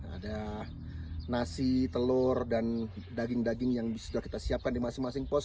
ada nasi telur dan daging daging yang sudah kita siapkan di masing masing pos